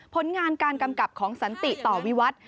ผลงานการกำกับของสันติต่อวิวัตร